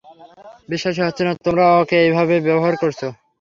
বিশ্বাসই হচ্ছে না তোমরা ওকে এভাবে ব্যবহার করছো।